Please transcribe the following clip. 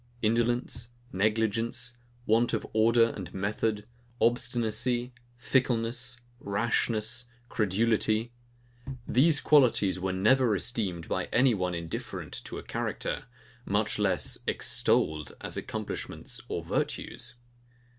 Indolence, negligence, want of order and method, obstinacy, fickleness, rashness, credulity; these qualities were never esteemed by any one indifferent to a character; much less, extolled as accomplishments or virtues.